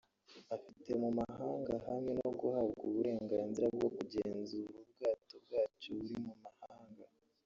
afite mu mahanga hamwe no guhabwa uburenganzira bwo kugenzura ubwato bwacyo buri mu mahanga